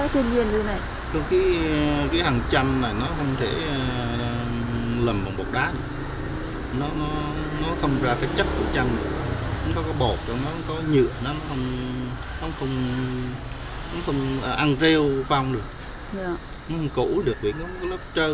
thế này từ đá thiên nhiên như thế này